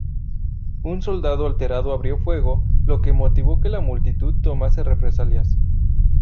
Un soldado alterado abrió fuego, lo que motivó que la multitud tomase represalias.